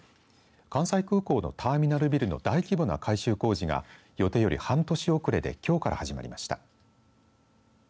関西空港のターミナルビルの大規模な改修工事が予定より半年遅れできょうから始まりました。